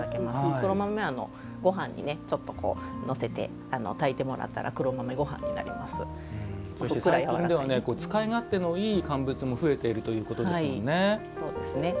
黒豆は、ごはんにのせて炊いてもらったらそして最近では使い勝手のいい乾物も増えているそうですね。